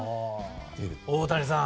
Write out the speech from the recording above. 大谷さん